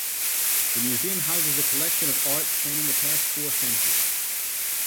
The museum houses a collection of art spanning the past four centuries.